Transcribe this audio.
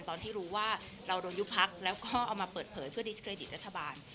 ตอนที่รู้ว่าเราโดนยุบพักแล้วก็เอามาเปิดเผยเพื่อดิสเครดิตรัฐบาล